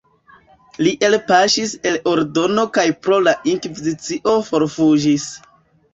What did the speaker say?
Li elpaŝis el ordeno kaj pro la inkvizicio forfuĝis.